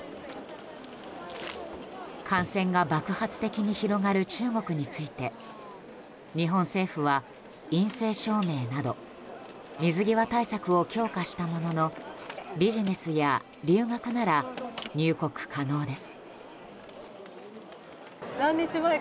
感染が爆発的に広がる中国について日本政府は陰性証明など水際対策を強化したもののビジネスや留学なら入国可能です。